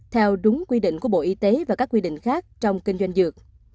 theo đúng quy định của bộ y tế và các quy định khác trong kinh doanh dược